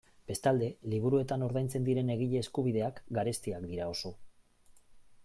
Bestalde, liburuetan ordaintzen diren egile eskubideak garestiak dira oso.